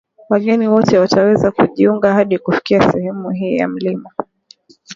Wageni wote wataweza kujiunga hadi kufikia sehemu hii ya mlima